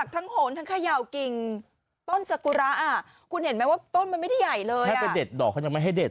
ต้นสกุระอะกูเห็นมั้ยว่าต้นมันไม่ได้ใหญ่เลย